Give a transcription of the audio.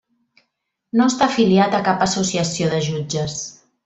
No està afiliat a cap associació de jutges.